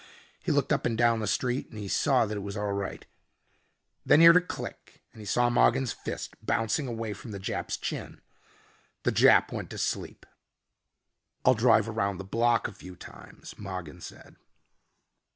He looked up and down the street and he saw that it was all right. Then he heard a click and he saw Mogin's fist bouncing away from the Jap's chin. The Jap went to sleep. "I'll drive around the block a few times," Mogin said.